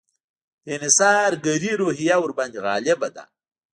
د انحصارګري روحیه ورباندې غالبه ده.